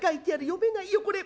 読めないよこれ。